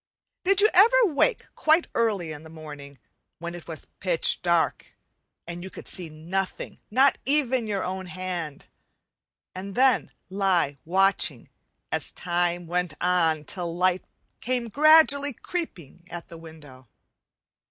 Did you ever wake quite early in the morning, when it was pitch dark and you could see nothing, not even your own hand; and then lie watching as time went on till the light came gradually creeping in at the window?